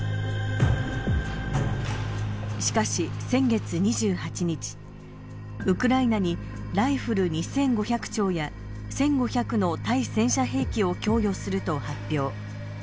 しかし先月２８日ウクライナにライフル２，５００丁や１，５００の対戦車兵器を供与すると発表。